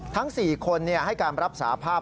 ทั้ง๔คนให้การรับสาภาพ